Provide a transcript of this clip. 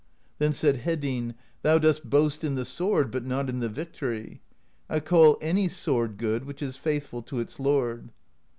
Then said Hedinn: 'Thou dost boast in the sword, but not in the victory; I call any sword good which is faithful to its lord.'